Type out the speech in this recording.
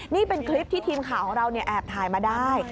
นี่เป็นคลิปที่ทีมข่าวของเราแอบถ่ายมาได้